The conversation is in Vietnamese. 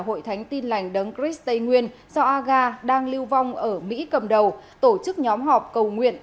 hội thánh tin lành đấng chris tây nguyên do aga đang lưu vong ở mỹ cầm đầu tổ chức nhóm họp cầu nguyện